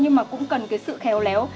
nhưng mà cũng cần cái sự khéo léo